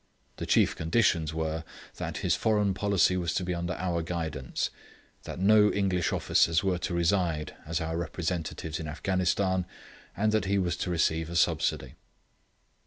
The chief conditions were, that his foreign policy was to be under our guidance, that no English officers were to reside as our representatives in Afghanistan, and that he was to receive a subsidy.